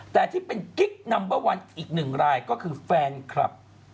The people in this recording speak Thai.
แต่ที่เป็นกิ๊กนัมเบอร์วันอีกหนึ่งรายก็คือแฟนคลับ